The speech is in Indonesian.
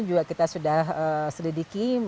juga kita sudah selidiki